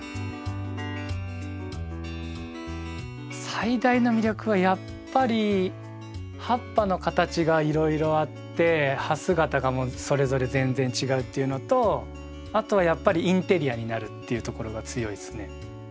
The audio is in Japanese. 最大の魅力はやっぱり葉っぱの形がいろいろあって葉姿がもうそれぞれ全然違うっていうのとあとはやっぱりインテリアになるっていうところが強いですね。